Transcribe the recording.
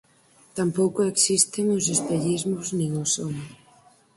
Tampouco existen os espellismos nin o sono.